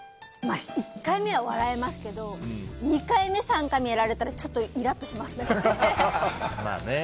まあ、１回目は笑えますけど２回目、３回目やられたらイラッとしますね。